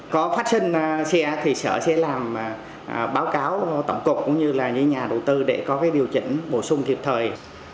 có phát sinh xe thì xã sẽ làm báo cáo tổng cục cũng như nhà đầu tư để có điều chỉnh bổ sung thiệp thời